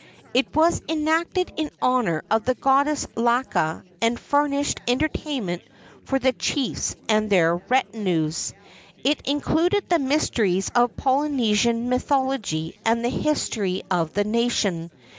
It was enacted in honor of the goddess Laka and furnished entertainment for the chiefs and their retinues. It included the mysteries of Polynesian mythology and the history of the nation.